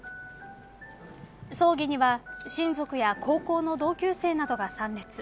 葬儀には、親族や高校の同級生などが参列。